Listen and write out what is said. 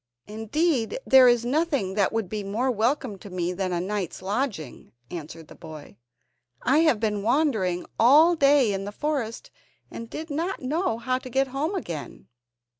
"Indeed there is nothing that would be more welcome to me than a night's lodging," answered the boy; "I have been wandering all day in the forest, and did not know how to get home again.